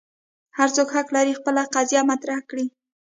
هر څوک حق لري خپل قضیه مطرح کړي.